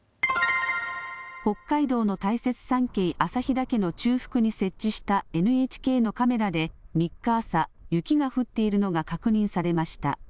北海道の大雪山系、旭岳の中腹に設置したＮＨＫのカメラで３日朝雪が降っているのが確認されました。